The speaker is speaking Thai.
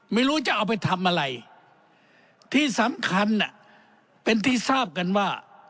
ไม่รู้จะเอาไปทำอะไรที่สำคัญน่ะเป็นที่ทราบกันว่า